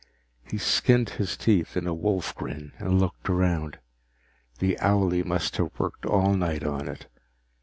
He skinned his teeth in a wolf grin and looked around. The owlie must have worked all night on it.